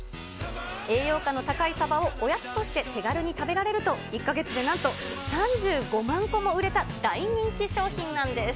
栄養価の高いサバをおやつとして手軽に食べられると、１か月でなんと、３５万個も売れた大人気商品なんです。